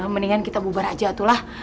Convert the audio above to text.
mendingan kita bubar aja itulah